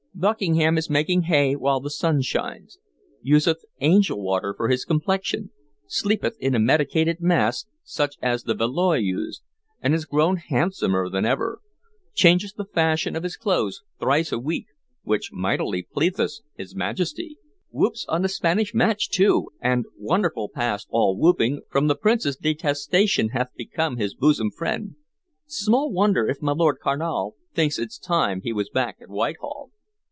Buckingham is making hay while the sun shines. Useth angel water for his complexion, sleepeth in a medicated mask such as the Valois used, and is grown handsomer than ever; changeth the fashion of his clothes thrice a week, which mightily pleaseth his Majesty. Whoops on the Spanish match, too, and, wonderful past all whooping, from the prince's detestation hath become his bosom friend. Small wonder if my Lord Carnal thinks it's time he was back at Whitehall."